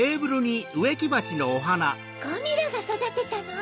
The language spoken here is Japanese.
ゴミラがそだてたの？